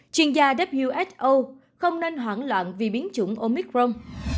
chuyên gia wso không nên hoảng loạn vì biến chủng omicron